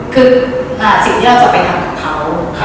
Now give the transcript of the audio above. คือสิกที่เราจะไปทำกับเค้า